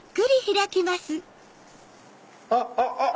あっあっあっ！